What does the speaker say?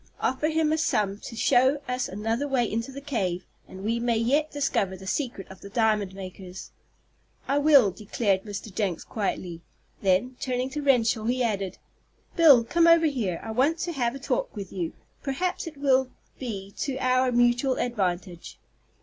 Offer him a sum to show us another way into the cave, and we may yet discover the secret of the diamond makers." "I will," declared Mr. Jenks, quietly. Then, turning to Renshaw, he added: "Bill, come over here. I want to have a talk with you. Perhaps it will be to our mutual advantage."